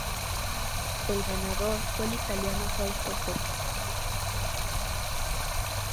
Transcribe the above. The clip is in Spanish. El ganador fue el italiano Fausto Coppi.